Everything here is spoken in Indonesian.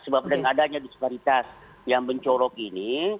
sebab dengan adanya disparitas yang mencorok ini